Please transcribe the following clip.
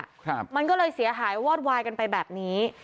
ครับมันก็เลยเสียหายวอดวายกันไปแบบนี้